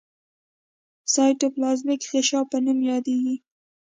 سایټوپلازمیک غشا په نوم یادیږي.